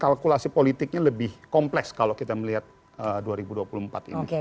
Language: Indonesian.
kalkulasi politiknya lebih kompleks kalau kita melihat dua ribu dua puluh empat ini